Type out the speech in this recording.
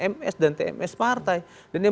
ms dan tms partai dan ini